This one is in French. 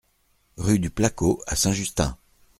Rue du Placot à Saint-Justin